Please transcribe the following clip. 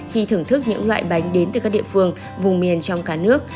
khi thưởng thức những loại bánh đến từ các địa phương vùng miền trong cả nước